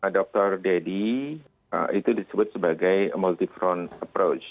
dr deddy itu disebut sebagai multi front approach